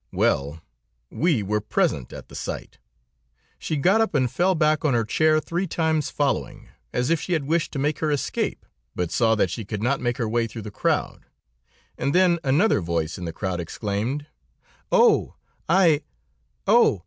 Well, we were present at the sight! She got up and fell back on her chair three times following, as if she had wished to make her escape, but saw that she could not make her way through the crowd, and then another voice in the crowd exclaimed: "'Oh I Oh!